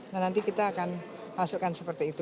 dan nanti kita akan masukkan seperti itu